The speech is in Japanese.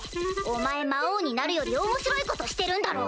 お前魔王になるより面白いことしてるんだろ？